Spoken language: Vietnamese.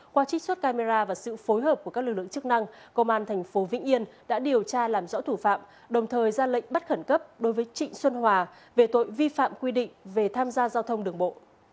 qua trích xuất camera và sự phối hợp của các lực lượng chức năng công an tp vĩnh yên đã điều tra làm rõ thủ phạm đồng thời ra lệnh bắt khẩn cấp đối với trịnh xuân hòa về tội vi phạm quy định về tham gia giao thông đường bộ